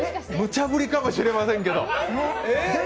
むちゃぶりかもしれませんけど。